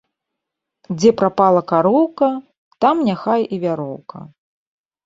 Дзе прапала кароўка, там няхай i вяроўка